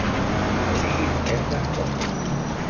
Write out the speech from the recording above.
No diguis aquestes coses!